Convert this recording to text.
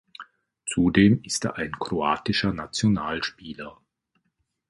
Zudem ist er ein kroatischer Nationalspieler.